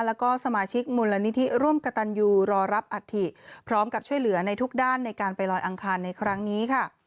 แล้วก็สมาชิกมูลนิธิร่วมกระตันยูรอรับอัฐิพร้อมกับช่วยเหลือในทุกด้านในการไปลอยอังคารในครั้งนี้ค่ะ